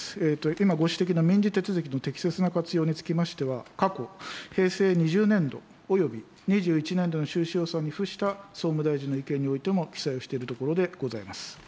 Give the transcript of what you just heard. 今ご指摘の民事手続きの適切な活用につきましては、過去平成２０年度および２１年度の収支予算に付した総務大臣の意見においても記載をしているところでございます。